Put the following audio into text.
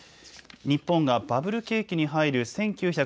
日本がバブル景気に入る